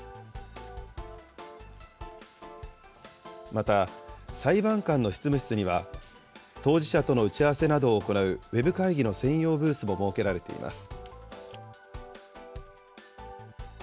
また、裁判官の執務室には、当事者との打ち合わせなどを行うウェブ会議の専用ブースも設けられています。